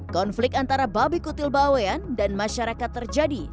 konflik antara babi kutil bawayan dan masyarakat terjadi